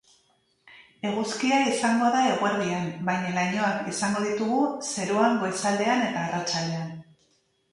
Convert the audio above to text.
Eguzkia izango da eguerdian, baina lainoak izango ditugu zeruan goizaldean eta arratsaldean.